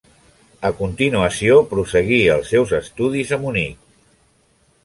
A continuació prosseguí els seus estudis a Munic.